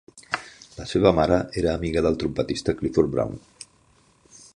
La seva mare era amiga del trompetista Clifford Brown.